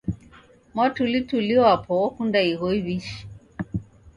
Mwatulituli wapo okunda igho iwi'shi